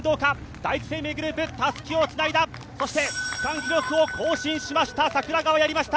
第一生命グループたすきをつないだ、そして区間記録を更新しました、櫻川やりました。